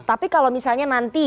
tapi kalau misalnya nanti